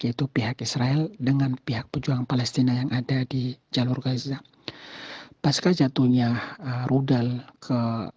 yaitu pihak israel dengan pihak pejuang palestina yang ada di jalur gaza pasca jatuhnya rudal ke